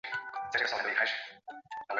半美分硬币则予废除。